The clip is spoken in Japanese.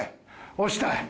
押したい。